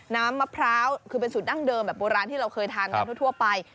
น้ำมะพร้าวคือเป็นสูตรดั้งเดิมแบบโบราณที่เราเคยทานกันทั่วไป